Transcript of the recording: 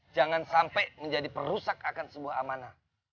jangan sampai menjadi perusak akan sebuah amanah